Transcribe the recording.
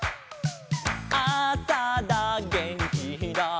「あさだげんきだ」